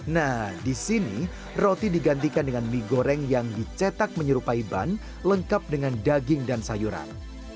nah di sini roti digantikan dengan mie goreng yang dicetak menyerupai ban lengkap dengan daging dan sayuran